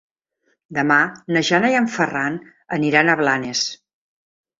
Demà na Jana i en Ferran aniran a Blanes.